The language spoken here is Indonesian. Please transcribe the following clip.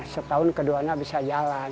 setahun keduanya bisa jalan